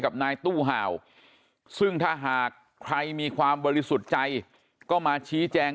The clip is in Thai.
นายตู้ห่าวซึ่งถ้าหากใครมีความบริสุทธิ์ใจก็มาชี้แจง